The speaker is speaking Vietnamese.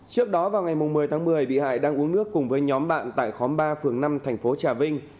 trước đó vào ngày một mươi tháng một mươi bị hại đang uống nước cùng với nhóm bạn tại khóm ba phường năm thành phố trà vinh